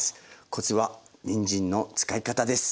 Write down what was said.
コツはにんじんの使い方です。